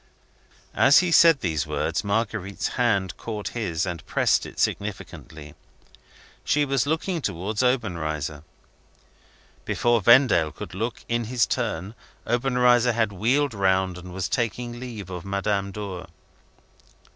As he said those words, Marguerite's hand caught his, and pressed it significantly. She was looking towards Obenreizer. Before Vendale could look, in his turn, Obenreizer had wheeled round, and was taking leave of Madame Dor.